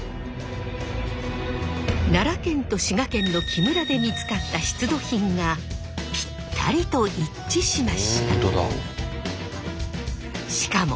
奈良県と滋賀県の木村で見つかった出土品がぴったりと一致しました。